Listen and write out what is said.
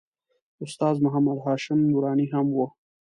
استاد محمد هاشم نوراني هم و.